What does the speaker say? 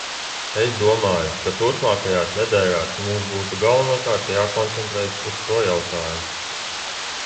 Es domāju, ka turpmākajās nedēļās mums būtu galvenokārt jākoncentrējas uz šo jautājumu.